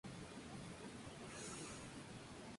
Pese a ello, es la capital administrativa del mismo.